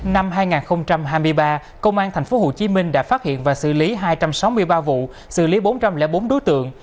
năm hai nghìn hai mươi ba công an tp hcm đã phát hiện và xử lý hai trăm sáu mươi ba vụ xử lý bốn trăm linh bốn đối tượng